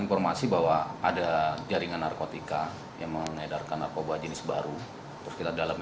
informasi bahwa ada jaringan narkotika yang mengedarkan narkoba jenis baru terus kita dalam